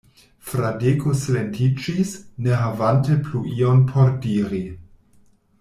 Fradeko silentiĝis, ne havante plu ion por diri.